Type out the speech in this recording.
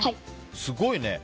すごいね。